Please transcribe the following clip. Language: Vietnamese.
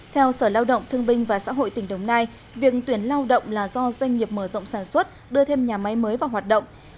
theo sở lao động thương binh và xã hội tỉnh đồng nai việc tuyển lao động là do doanh nghiệp mở rộng sản xuất đưa thêm nhà máy mới vào hoạt động